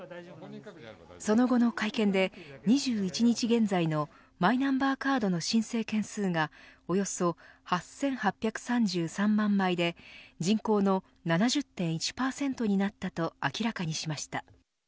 その後の会見で、２１日現在のマイナンバーカードの申請件数がおよそ８８３３万枚で人口の７０．１％になったと明らかにしました。